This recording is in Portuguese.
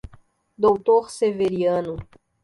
Doutor Severiano